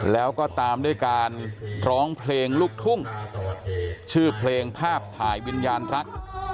แล้วก็ตามด้วยการร้องเพลงลูกทุ่งชื่อเพลงภาพถ่ายวิญญาณรัก